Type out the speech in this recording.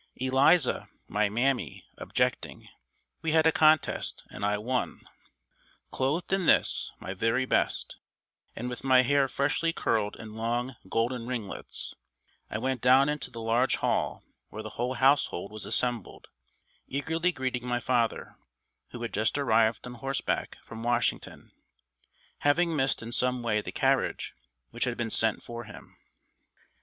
Eliza, my "mammy," objecting, we had a contest and I won. Clothed in this, my very best, and with my hair freshly curled in long golden ringlets, I went down into the large hall where the whole household was assembled, eagerly greeting my father, who had just arrived on horseback from Washington, having missed in some way the carriage which had been sent for him.